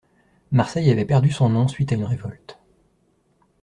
Marseille avait perdu son nom suite à une révolte.